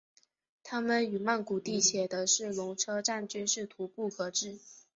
它们与曼谷地铁的是隆车站均是徙步可至。